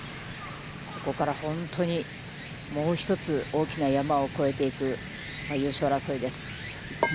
ここから本当にもう一つ、大きな山を超えていく優勝争いです。